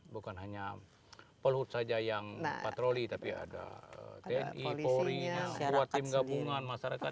bukan hanya polhut saja yang patroli tapi ada tni polri buat tim gabungan masyarakat